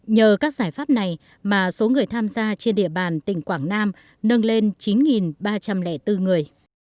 nhờ các giải pháp này mà số người tham gia trên địa bàn tỉnh quảng nam nâng lên chín ba trăm linh bốn người